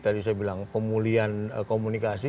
tadi saya bilang pemulihan komunikasi